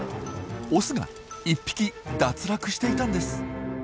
オスが１匹脱落していたんです。